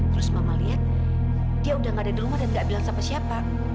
terus mama lihat dia udah nggak ada di rumah dan nggak bilang siapa siapa